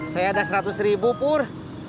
saya ada seratus ribu pur